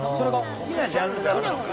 好きなジャンルだったのか。